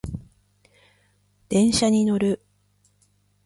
電車に乗る